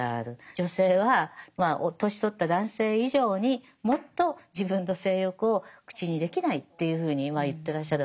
女性はまあ年取った男性以上にもっと自分の性欲を口にできないっていうふうに言ってらっしゃるわけですよね。